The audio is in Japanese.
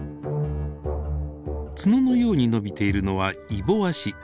角のように伸びているのはいぼ足。